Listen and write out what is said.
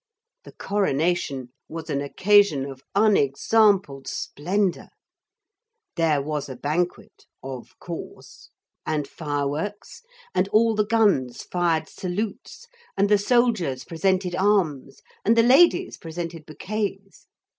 The coronation was an occasion of unexampled splendour. There was a banquet (of course) and fireworks, and all the guns fired salutes and the soldiers presented arms, and the ladies presented bouquets.